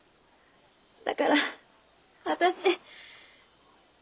だから私。